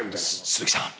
「鈴木さん！」